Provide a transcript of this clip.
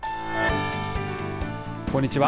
こんにちは。